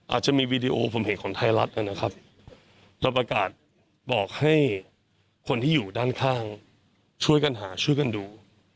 อาจจะมีวีดีโอผมเห็นของไทยรัฐนะครับเราประกาศบอกให้คนที่อยู่ด้านข้างช่วยกันหาช่วยกันดู